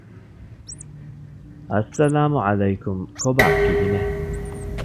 އައްސަލާމު ޢަލައިކުމް ކޮބާ ކިހިނެތް؟